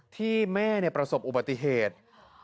ที่แม่ประสบอุบัติเหตุ